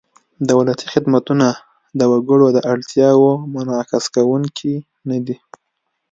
دولتي خدمتونه د وګړو د اړتیاوو منعکس کوونکي نهدي.